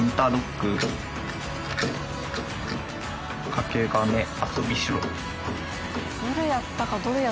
掛け金遊びしろよし。